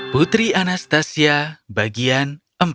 putri anastasia bagian empat